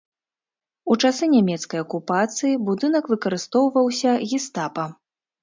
У часы нямецкай акупацыі будынак выкарыстоўваўся гестапа.